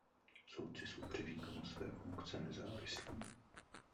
Soudci jsou při výkonu své funkce nezávislí.